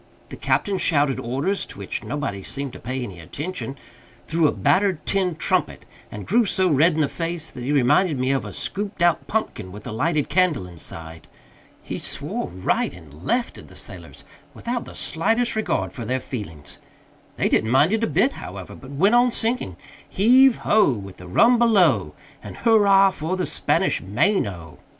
The captain shouted orders (to which nobody seemed to pay any attention) through a battered tin trumpet, and grew so red in the face that he reminded me of a scooped out pumpkin with a lighted candle inside. He swore right and left at the sailors without the slightest regard for their feelings. They didn't mind it a bit, however, but went on singing "Heave ho! With the rum below, And hurrah for the Spanish Main O!"